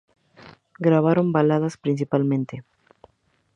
Grabaron baladas principalmente.